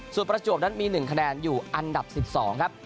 ส่วนประจวบนั้นมี๑คะแนนอยู่อันดับ๑๒ครับ